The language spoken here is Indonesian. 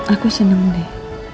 aku seneng deh